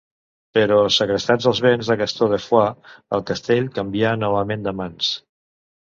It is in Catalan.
Però segrestats els béns de Gastó de Foix, el castell canvià novament de mans.